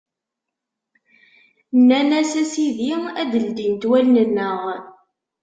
Nnan-as: A Sidi, ad d-ldint wallen-nneɣ!